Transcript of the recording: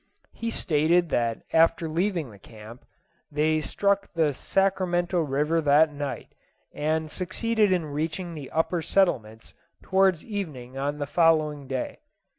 He stated that after leaving the camp, they struck the Sacramento River that night, and succeeded in reaching the upper settlements towards evening on the following day.